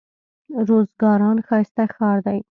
روزګان ښايسته ښار دئ.